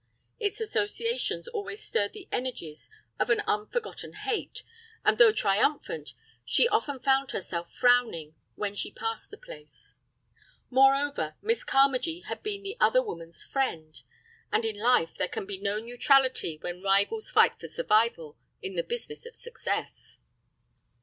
Its associations always stirred the energies of an unforgotten hate, and though triumphant, she often found herself frowning when she passed the place. Moreover, Miss Carmagee had been the other woman's friend, and in life there can be no neutrality when rivals fight for survival in the business of success.